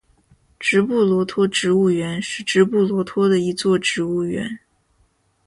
直布罗陀植物园是直布罗陀的一座植物园。